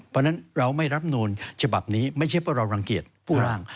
เพราะฉะนั้นเราไม่รับนูลฉบับนี้ไม่ใช่เพราะเรารังเกียจผู้ร่าง